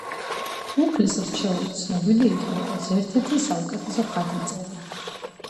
უფლის რჩეული ცნობილი იყო, როგორც ერთ-ერთი საუკეთესო ხატმწერი.